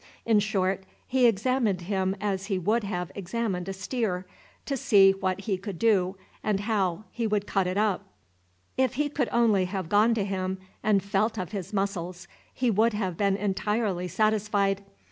In short, he examined him as he would have examined a steer, to see what he could do and how he would cut up. If he could only have gone to him and felt of his muscles, he would have been entirely satisfied.